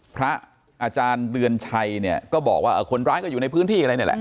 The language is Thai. พระอาจารย์เดือนชัยเนี่ยก็บอกว่าคนร้ายก็อยู่ในพื้นที่อะไรนี่แหละ